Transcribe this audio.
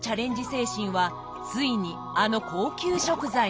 精神はついにあの高級食材に。